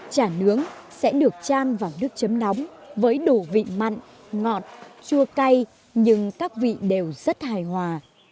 chả nướng sẽ được chan vào nước chấm nóng với đủ vị mặn ngọt chua cay nhưng các vị đều rất hài hòa